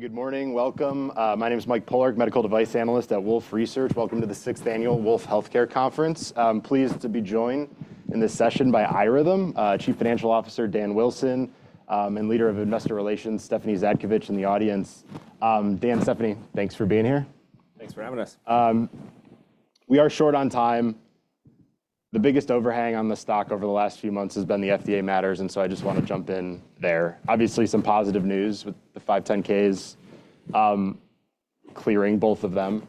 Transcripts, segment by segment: Good morning. Welcome. My name is Mike Polark, Medical Device Analyst at Wolfe Research. Welcome to the 6th Annual Wolfe Healthcare Conference. I'm pleased to be joined in this session by iRhythm, Chief Financial Officer Dan Wilson, and Leader of Investor Relations Stephanie Zhadkevich in the audience. Dan, Stephanie, thanks for being here. Thanks for having us. We are short on time. The biggest overhang on the stock over the last few months has been the FDA matters, and so I just want to jump in there. Obviously, some positive news with the 510(k)s clearing, both of them.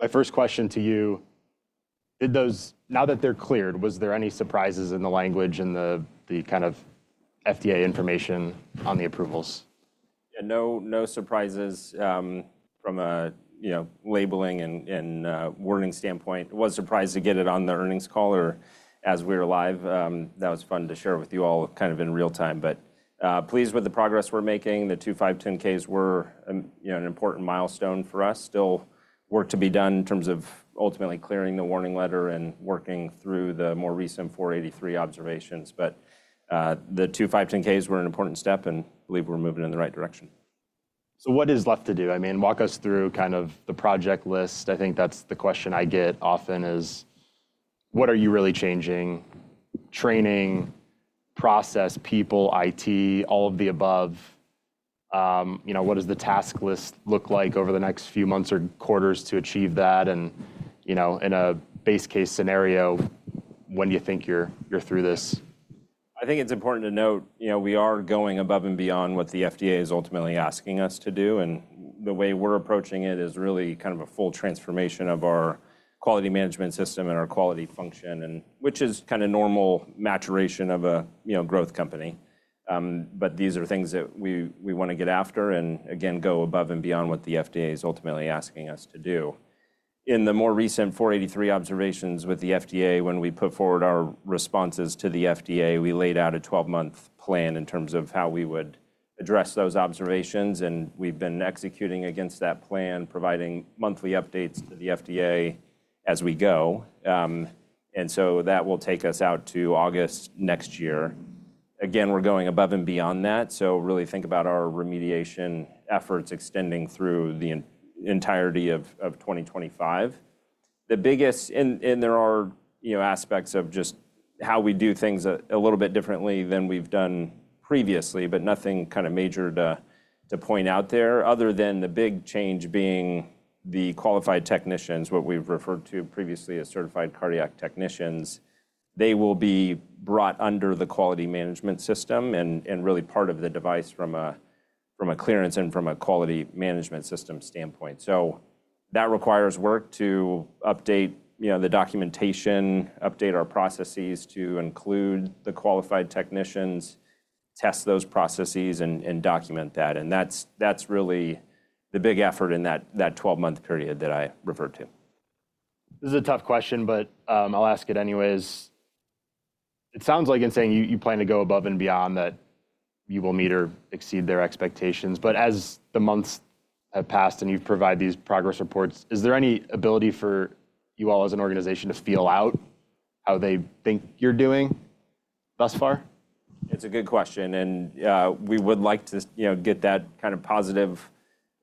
My first question to you: now that they're cleared, was there any surprises in the language and the kind of FDA information on the approvals? Yeah, no surprises from a labeling and warning standpoint. I was surprised to get it on the earnings call as we were live. That was fun to share with you all kind of in real time. But pleased with the progress we're making. The two 510(k)s were an important milestone for us. Still work to be done in terms of ultimately clearing the warning letter and working through the more recent 483 observations. But the two 510(k)s were an important step, and I believe we're moving in the right direction. So what is left to do? I mean, walk us through kind of the project list. I think that's the question I get often: what are you really changing? Training, process, people, IT, all of the above. What does the task list look like over the next few months or quarters to achieve that? And in a base case scenario, when do you think you're through this? I think it's important to note we are going above and beyond what the FDA is ultimately asking us to do, and the way we're approaching it is really kind of a full transformation of our quality management system and our quality function, which is kind of normal maturation of a growth company, but these are things that we want to get after and, again, go above and beyond what the FDA is ultimately asking us to do. In the more recent 483 observations with the FDA, when we put forward our responses to the FDA, we laid out a 12-month plan in terms of how we would address those observations, and we've been executing against that plan, providing monthly updates to the FDA as we go, and so that will take us out to August next year. Again, we're going above and beyond that. So really think about our remediation efforts extending through the entirety of 2025. And there are aspects of just how we do things a little bit differently than we've done previously, but nothing kind of major to point out there other than the big change being the qualified technicians, what we've referred to previously as certified cardiac technicians. They will be brought under the quality management system and really part of the device from a clearance and from a quality management system standpoint. So that requires work to update the documentation, update our processes to include the qualified technicians, test those processes, and document that. And that's really the big effort in that 12-month period that I referred to. This is a tough question, but I'll ask it anyways. It sounds like in saying you plan to go above and beyond that you will meet or exceed their expectations. But as the months have passed and you've provided these progress reports, is there any ability for you all as an organization to feel out how they think you're doing thus far? It's a good question, and we would like to get that kind of positive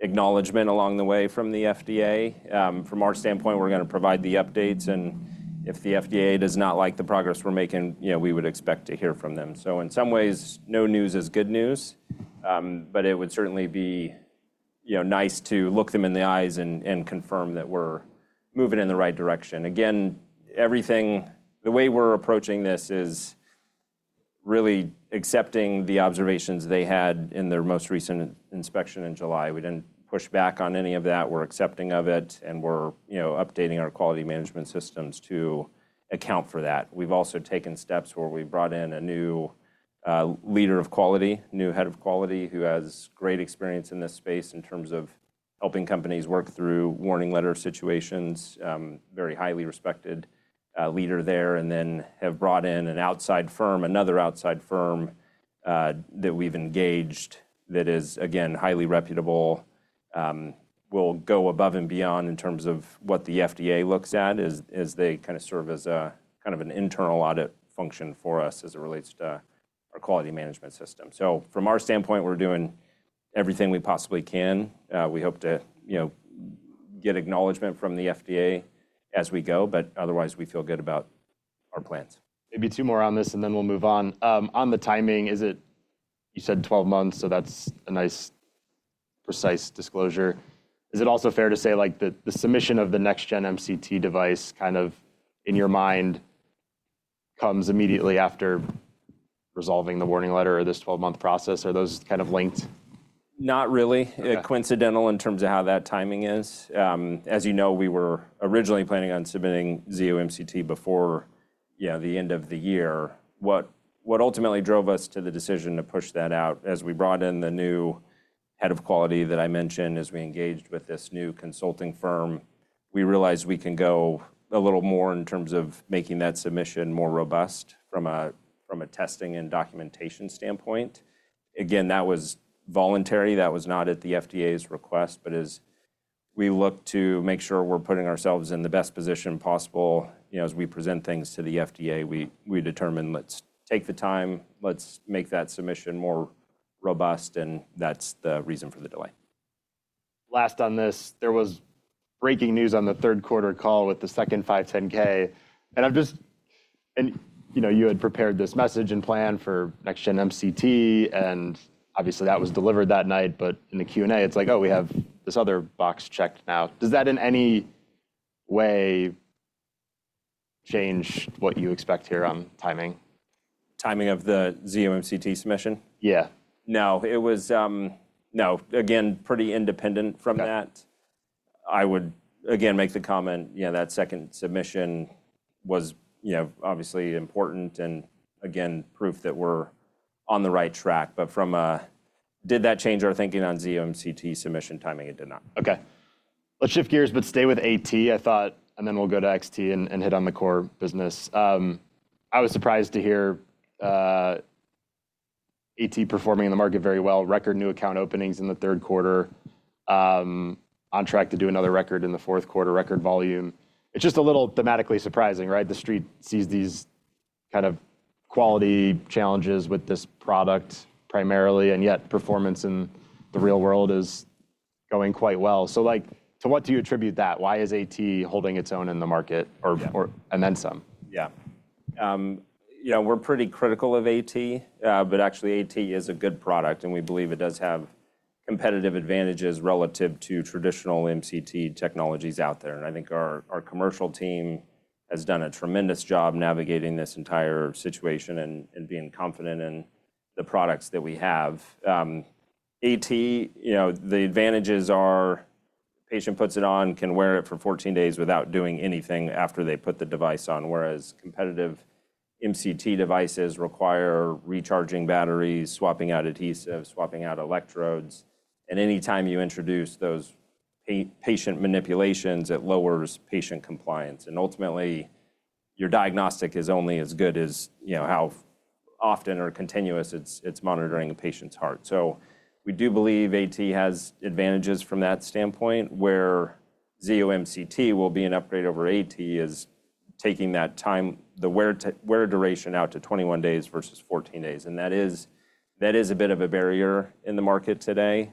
acknowledgment along the way from the FDA. From our standpoint, we're going to provide the updates, and if the FDA does not like the progress we're making, we would expect to hear from them, so in some ways, no news is good news, but it would certainly be nice to look them in the eyes and confirm that we're moving in the right direction. Again, the way we're approaching this is really accepting the observations they had in their most recent inspection in July. We didn't push back on any of that. We're accepting of it and we're updating our quality management systems to account for that. We've also taken steps where we brought in a new leader of quality, new head of quality who has great experience in this space in terms of helping companies work through warning letter situations, very highly respected leader there, and then have brought in an outside firm, another outside firm that we've engaged that is, again, highly reputable, will go above and beyond in terms of what the FDA looks at as they kind of serve as a kind of an internal audit function for us as it relates to our quality management system, so from our standpoint, we're doing everything we possibly can. We hope to get acknowledgment from the FDA as we go, but otherwise, we feel good about our plans. Maybe two more on this, and then we'll move on. On the timing, you said 12 months, so that's a nice precise disclosure. Is it also fair to say the submission of the next-gen MCT device kind of in your mind comes immediately after resolving the warning letter or this 12-month process? Are those kind of linked? Not really. Coincidental in terms of how that timing is. As you know, we were originally planning on submitting Zio MCT before the end of the year. What ultimately drove us to the decision to push that out as we brought in the new head of quality that I mentioned as we engaged with this new consulting firm, we realized we can go a little more in terms of making that submission more robust from a testing and documentation standpoint. Again, that was voluntary. That was not at the FDA's request, but as we look to make sure we're putting ourselves in the best position possible as we present things to the FDA, we determined, let's take the time, let's make that submission more robust, and that's the reason for the delay. Last on this, there was breaking news on the third quarter call with the second 510(k). And you had prepared this message and plan for next-gen MCT. And obviously, that was delivered that night. But in the Q&A, it's like, oh, we have this other box checked now. Does that in any way change what you expect here on timing? Timing of the Zio MCT submission? Yeah. No. No, again, pretty independent from that. I would, again, make the comment that second submission was obviously important and, again, proof that we're on the right track. But did that change our thinking on Zio MCT submission timing? It did not. Okay. Let's shift gears, but stay with AT. I thought, and then we'll go to XT and hit on the core business. I was surprised to hear AT performing in the market very well. Record new account openings in the third quarter. On track to do another record in the fourth quarter. Record volume. It's just a little thematically surprising, right? The street sees these kind of quality challenges with this product primarily. And yet performance in the real world is going quite well. So to what do you attribute that? Why is AT holding its own in the market? And then some. Yeah. We're pretty critical of AT. But actually, AT is a good product. And we believe it does have competitive advantages relative to traditional MCT technologies out there. And I think our commercial team has done a tremendous job navigating this entire situation and being confident in the products that we have. AT, the advantages are patient puts it on, can wear it for 14 days without doing anything after they put the device on. Whereas competitive MCT devices require recharging batteries, swapping out adhesives, swapping out electrodes. And any time you introduce those patient manipulations, it lowers patient compliance. And ultimately, your diagnostic is only as good as how often or continuous it's monitoring a patient's heart. So we do believe AT has advantages from that standpoint. where Zio MCT will be an upgrade over AT is taking that time, the wear duration out to 21 days versus 14 days. And that is a bit of a barrier in the market today.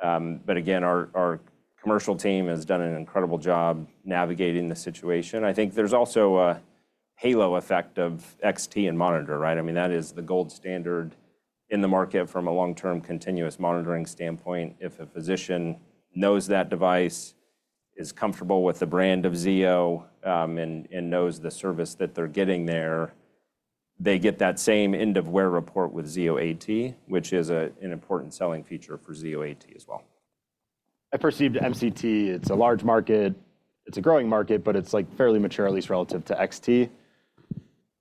But again, our commercial team has done an incredible job navigating the situation. I think there's also a halo effect of Zio XT and Zio Monitor, right? I mean, that is the gold standard in the market from a long-term continuous monitoring standpoint. If a physician knows that device is comfortable with the brand of Zio and knows the service that they're getting there, they get that same end-of-wear report with Zio AT, which is an important selling feature for Zio AT as well. I perceived MCT, it's a large market. It's a growing market, but it's fairly mature, at least relative to XT.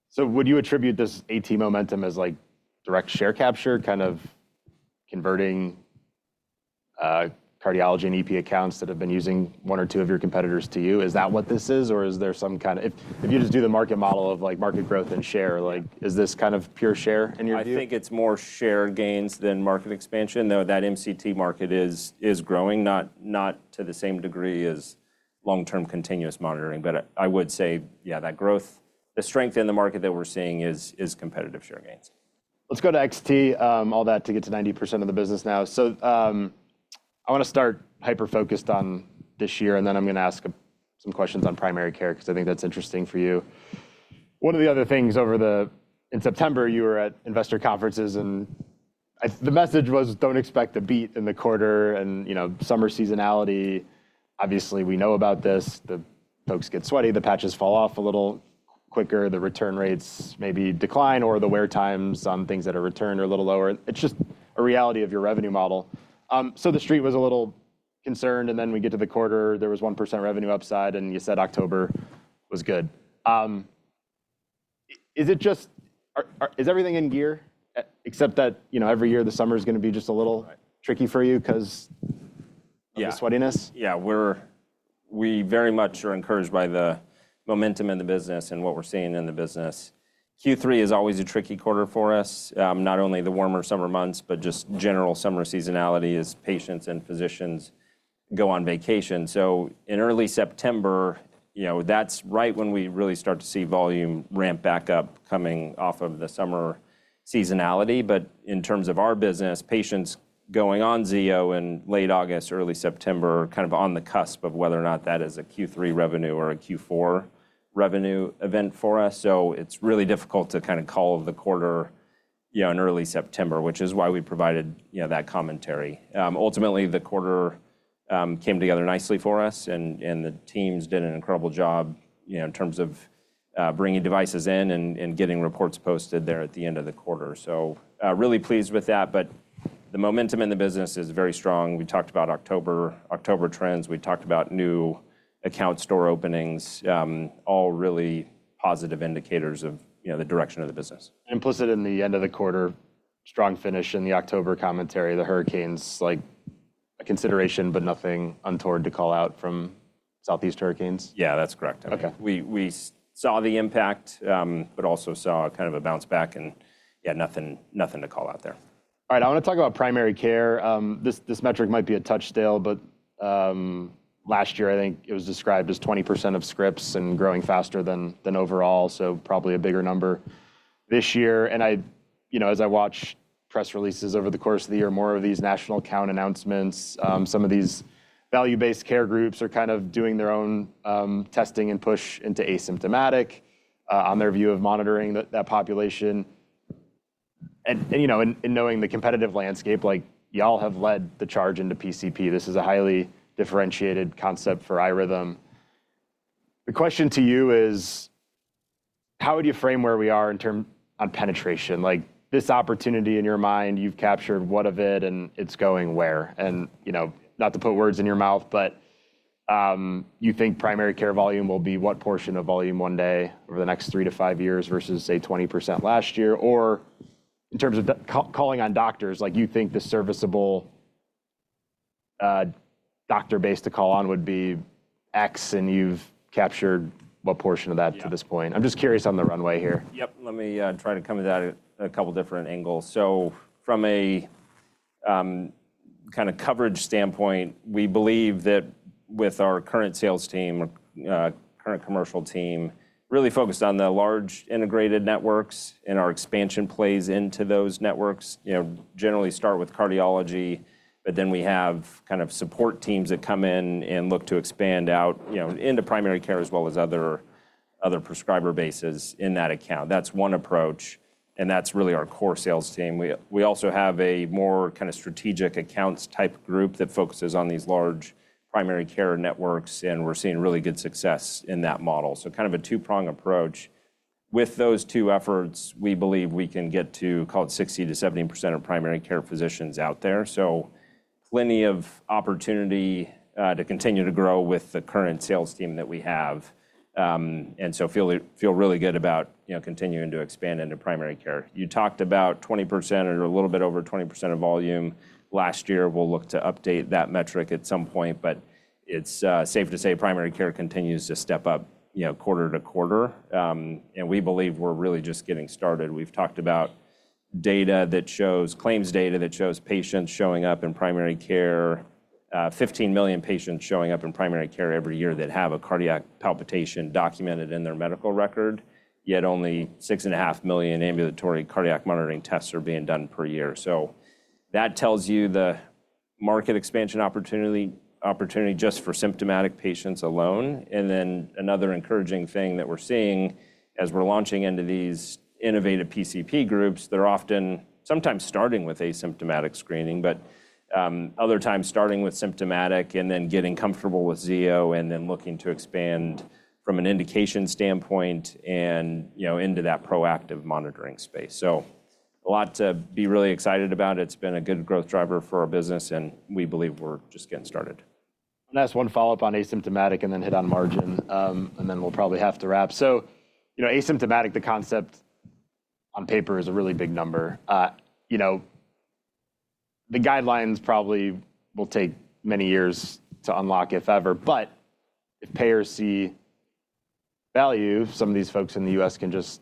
So would you attribute this AT momentum as direct share capture, kind of converting cardiology and EP accounts that have been using one or two of your competitors to you? Is that what this is? Or is there some kind of, if you just do the market model of market growth and share, is this kind of pure share in your view? I think it's more share gains than market expansion. Though that MCT market is growing, not to the same degree as long-term continuous monitoring. But I would say, yeah, that growth, the strength in the market that we're seeing is competitive share gains. Let's go to XT, all that to get to 90% of the business now, so I want to start hyper-focused on this year. And then I'm going to ask some questions on primary care because I think that's interesting for you. One of the other things over the, in September, you were at investor conferences, and the message was, don't expect a beat in the quarter and summer seasonality. Obviously, we know about this. The folks get sweaty. The patches fall off a little quicker. The return rates maybe decline or the wear times on things that are returned are a little lower. It's just a reality of your revenue model, so the street was a little concerned, and then we get to the quarter. There was 1% revenue upside, and you said October was good. Is everything in gear except that every year the summer is going to be just a little tricky for you because of the sweatiness? Yeah. We very much are encouraged by the momentum in the business and what we're seeing in the business. Q3 is always a tricky quarter for us. Not only the warmer summer months, but just general summer seasonality as patients and physicians go on vacation. So in early September, that's right when we really start to see volume ramp back up coming off of the summer seasonality. But in terms of our business, patients going on Zio in late August, early September, kind of on the cusp of whether or not that is a Q3 revenue or a Q4 revenue event for us. So it's really difficult to kind of call the quarter in early September, which is why we provided that commentary. Ultimately, the quarter came together nicely for us. The teams did an incredible job in terms of bringing devices in and getting reports posted there at the end of the quarter. Really pleased with that. The momentum in the business is very strong. We talked about October trends. We talked about new account door openings, all really positive indicators of the direction of the business. Implicit in the end of the quarter, strong finish in the October commentary, the hurricanes like a consideration, but nothing untoward to call out from Southeast hurricanes. Yeah, that's correct. We saw the impact, but also saw kind of a bounce back. And yeah, nothing to call out there. All right. I want to talk about primary care. This metric might be a touch stale, but last year, I think it was described as 20% of scripts and growing faster than overall, so probably a bigger number this year, and as I watch press releases over the course of the year, more of these national account announcements, some of these value-based care groups are kind of doing their own testing and push into asymptomatic on their view of monitoring that population, and knowing the competitive landscape, y'all have led the charge into PCP. This is a highly differentiated concept for iRhythm. The question to you is, how would you frame where we are in terms of penetration? This opportunity in your mind, you've captured what of it and it's going where? Not to put words in your mouth, but you think primary care volume will be what portion of volume one day over the next three to five years versus, say, 20% last year? Or in terms of calling on doctors, you think the serviceable doctor base to call on would be X and you've captured what portion of that to this point? I'm just curious on the runway here. Yep. Let me try to come to that a couple different angles. So from a kind of coverage standpoint, we believe that with our current sales team, current commercial team, really focused on the large integrated networks and our expansion plays into those networks. Generally start with cardiology. But then we have kind of support teams that come in and look to expand out into primary care as well as other prescriber bases in that account. That's one approach. And that's really our core sales team. We also have a more kind of strategic accounts type group that focuses on these large primary care networks. And we're seeing really good success in that model. So kind of a two-prong approach. With those two efforts, we believe we can get to, call it 60%-70% of primary care physicians out there. Plenty of opportunity to continue to grow with the current sales team that we have. And so feel really good about continuing to expand into primary care. You talked about 20% or a little bit over 20% of volume last year. We'll look to update that metric at some point. But it's safe to say primary care continues to step up quarter to quarter. And we believe we're really just getting started. We've talked about data that shows, claims data that shows patients showing up in primary care, 15 million patients showing up in primary care every year that have a cardiac palpitation documented in their medical record. Yet only 6.5 million ambulatory cardiac monitoring tests are being done per year. So that tells you the market expansion opportunity just for symptomatic patients alone. Another encouraging thing that we're seeing as we're launching into these innovative PCP groups, they're often sometimes starting with asymptomatic screening, but other times starting with symptomatic and then getting comfortable with Zio and then looking to expand from an indication standpoint and into that proactive monitoring space. A lot to be really excited about. It's been a good growth driver for our business. We believe we're just getting started. I'll ask one follow-up on asymptomatic and then hit on margin, and then we'll probably have to wrap, so asymptomatic, the concept on paper is a really big number. The guidelines probably will take many years to unlock, if ever, but if payers see value, some of these folks in the U.S. can just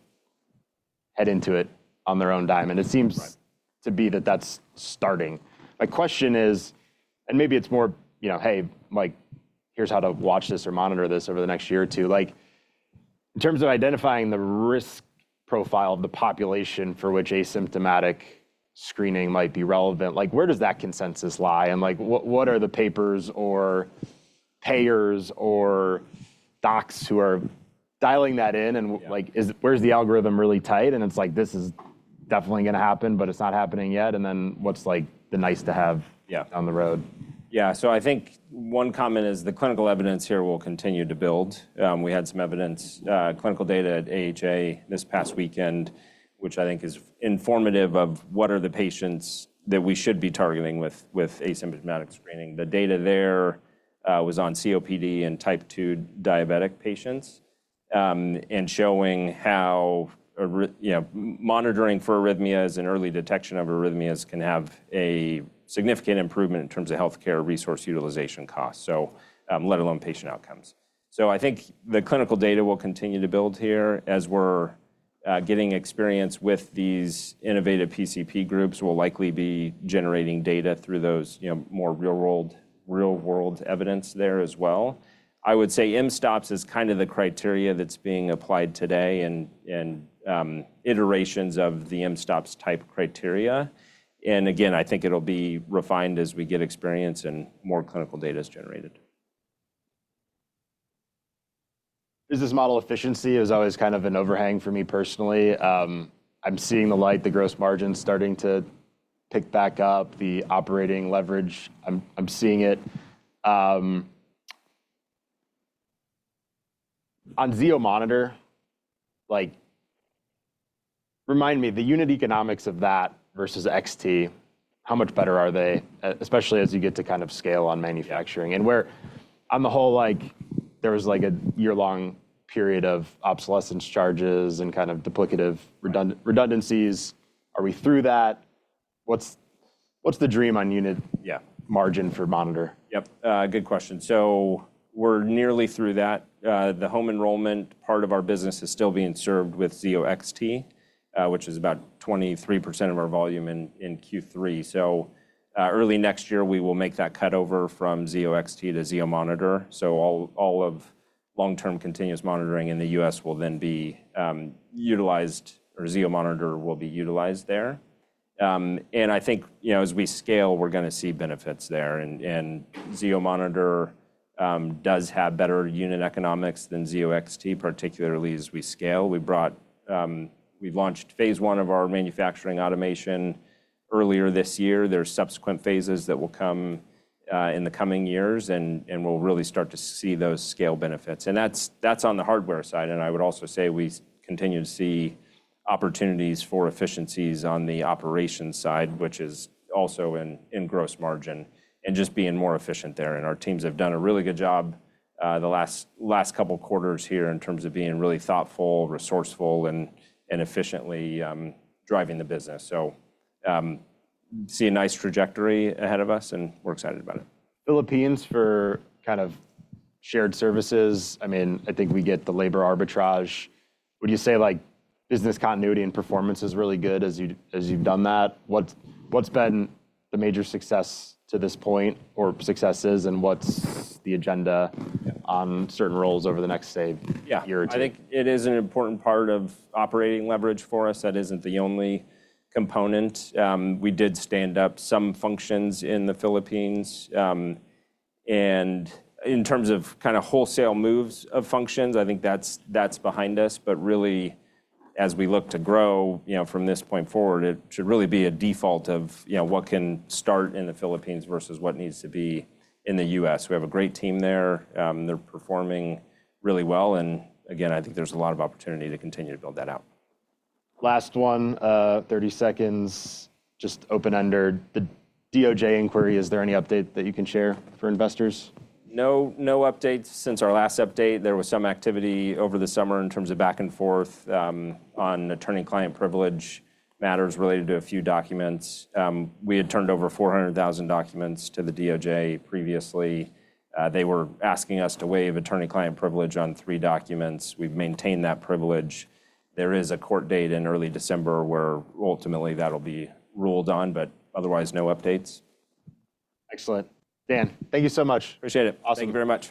head into it on their own dime, and it seems to be that that's starting. My question is, and maybe it's more, hey, here's how to watch this or monitor this over the next year or two. In terms of identifying the risk profile of the population for which asymptomatic screening might be relevant, where does that consensus lie, and what are the papers or payers or docs who are dialing that in, and where's the algorithm really tight, and it's like, this is definitely going to happen, but it's not happening yet. What's the nice to have down the road? Yeah. So I think one comment is the clinical evidence here will continue to build. We had some evidence, clinical data at AHA this past weekend, which I think is informative of what are the patients that we should be targeting with asymptomatic screening. The data there was on COPD and type 2 diabetic patients and showing how monitoring for arrhythmias and early detection of arrhythmias can have a significant improvement in terms of healthcare resource utilization costs, so let alone patient outcomes. So I think the clinical data will continue to build here as we're getting experience with these innovative PCP groups. We'll likely be generating data through those more real-world evidence there as well. I would say mSTOPS is kind of the criteria that's being applied today and iterations of the mSTOPS type criteria. Again, I think it'll be refined as we get experience and more clinical data is generated. Business model efficiency is always kind of an overhang for me personally. I'm seeing the light, the gross margin starting to pick back up, the operating leverage. I'm seeing it. On Zio Monitor, remind me, the unit economics of that versus XT, how much better are they, especially as you get to kind of scale on manufacturing? And on the whole, there was a year-long period of obsolescence charges and kind of duplicative redundancies. Are we through that? What's the dream on unit margin for Monitor? Yep. Good question, so we're nearly through that. The home enrollment part of our business is still being served with Zio XT, which is about 23% of our volume in Q3, so early next year, we will make that cut over from Zio XT to Zio Monitor, so all of long-term continuous monitoring in the U.S. will then be utilized, or Zio Monitor will be utilized there, and I think as we scale, we're going to see benefits there, and Zio Monitor does have better unit economics than Zio XT, particularly as we scale. We've launched phase one of our manufacturing automation earlier this year. There's subsequent phases that will come in the coming years, and we'll really start to see those scale benefits, and that's on the hardware side. And I would also say we continue to see opportunities for efficiencies on the operations side, which is also in gross margin and just being more efficient there. And our teams have done a really good job the last couple of quarters here in terms of being really thoughtful, resourceful, and efficiently driving the business. So see a nice trajectory ahead of us. And we're excited about it. Philippines for kind of shared services. I mean, I think we get the labor arbitrage. Would you say business continuity and performance is really good as you've done that? What's been the major success to this point or successes, and what's the agenda on certain roles over the next year or two? Yeah. I think it is an important part of operating leverage for us. That isn't the only component. We did stand up some functions in the Philippines. And in terms of kind of wholesale moves of functions, I think that's behind us. But really, as we look to grow from this point forward, it should really be a default of what can start in the Philippines versus what needs to be in the US. We have a great team there. They're performing really well. And again, I think there's a lot of opportunity to continue to build that out. Last one, 30 seconds. Just open-ended. The DOJ inquiry, is there any update that you can share for investors? No updates. Since our last update, there was some activity over the summer in terms of back and forth on attorney-client privilege matters related to a few documents. We had turned over 400,000 documents to the DOJ previously. They were asking us to waive attorney-client privilege on three documents. We've maintained that privilege. There is a court date in early December where ultimately that'll be ruled on, but otherwise, no updates. Excellent. Dan, thank you so much. Appreciate it. Awesome. Thank you very much.